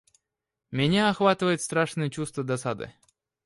Меня охватывает страшное чувство досады.